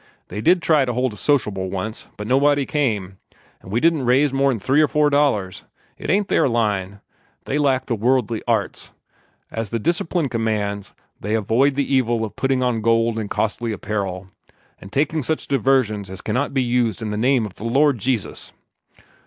"They did try to hold a sociable once, but nobody came, and we didn't raise more 'n three or four dollars. It ain't their line. They lack the worldly arts. As the Discipline commands, they avoid the evil of putting on gold and costly apparel, and taking such diversions as cannot be used in the name of the Lord Jesus."